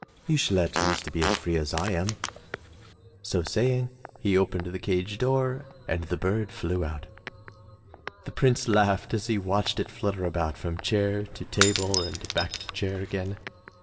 You shall at least be as free as I am.'* So saying, he opened the cage door and the bird flew out. The Prince laughed as he watched it flutter about from chair to table and back to chair again.